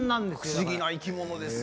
不思議な生き物です。